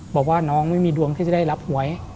บอกว่าน้องไม่มีดวงที่จะได้รับหวย